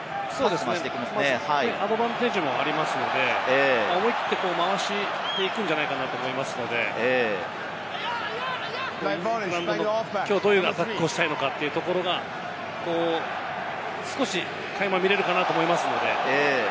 アドバンテージもありますので、思い切って回していくんじゃないかなと思いますので、きょう、どういうアタックをしたいのか、垣間見られるかなと思います。